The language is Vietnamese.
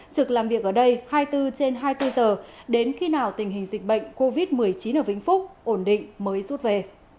trực làm việc ở đây hai mươi bốn trên hai mươi bốn giờ đến khi nào tình hình dịch bệnh covid một mươi chín ở vĩnh phúc ổn định mới rút về